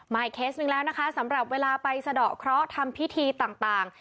อีกเคสหนึ่งแล้วนะคะสำหรับเวลาไปสะดอกเคราะห์ทำพิธีต่าง